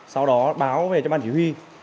sau đó báo về cho ban chỉ huy